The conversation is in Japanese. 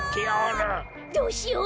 どうしよう？